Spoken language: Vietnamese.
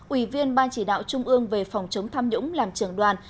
ủy viên ban chỉ đạo trung ương về phòng chống tham nhũng làm trưởng đoàn